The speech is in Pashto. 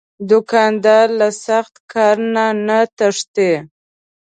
دوکاندار له سخت کار نه نه تښتي.